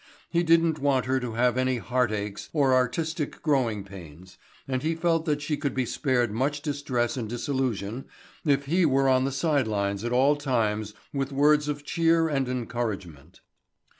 He didn't want her to have any heart aches or artistic growing pains and he felt that she could be spared much distress and disillusion if he were on the sidelines at all times with words of cheer and encouragement.